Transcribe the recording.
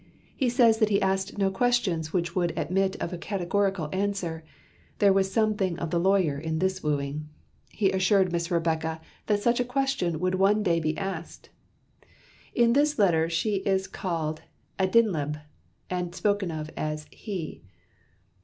He says that he asked no questions which would admit of a categorical answer there was something of the lawyer in this wooing! He assured Miss Rebecca that such a question would one day be asked. In this letter she is called "Adinleb" and spoken of as "he."